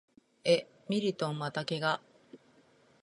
え、ミリトンまた怪我？